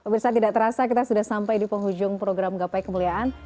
bisa tidak terasa kita sudah sampai di penghujung program gapai kemuliaan